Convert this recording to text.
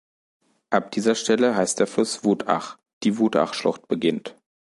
Ab dieser Stelle heißt der Fluss Wutach; die Wutachschlucht beginnt.